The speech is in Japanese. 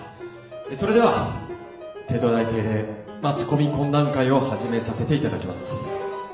それでは帝都大定例マスコミ懇談会を始めさせていただきます。